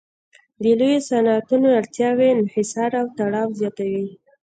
د لویو صنعتونو اړتیاوې انحصار او تړاو زیاتوي